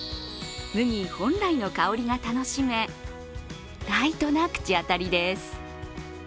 麦本来の香りが楽しめ、ライトな口当たりです。